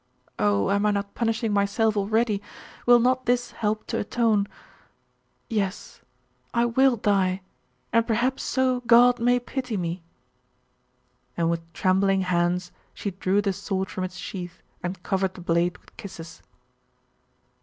Oh, am I not punishing myself already? Will not this help to atone?.... Yes I will die! and perhaps so God may pity me!' And with trembling hands she drew the sword from its sheath and covered the blade with kisses.